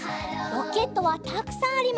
ロケットはたくさんあります。